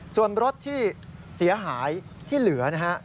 ส่วนรถที่เสียหายที่เหลือนะฮะ